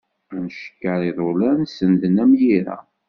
Ad ncekker iḍulan, senden am yira.